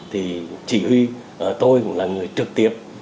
thì chỉ huy tôi cũng là người trực tiếp